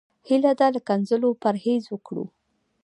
هيله ده له ښکنځلو پرهېز وکړو.